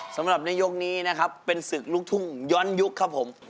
สำหรับในยกนี้นะครับเป็นศึกลูกทุ่งย้อนยุคครับผม